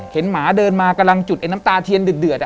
เห็นหมาเดินมากำลังจุดไอ้น้ำตาเทียน